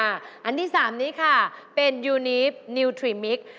อันที่๓นี้ค่ะเป็นยูนีฟนิวทรีมิก